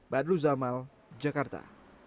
badru zamal jakarta